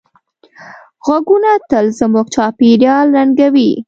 غږونه تل زموږ چاپېریال رنګینوي.